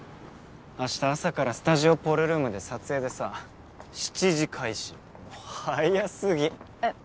明日朝からスタジオポルルームで撮影でさ７時開始早すぎえっ